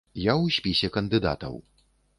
Я ў спісе кандыдатаў.